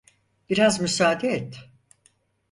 Biraz müsaade et.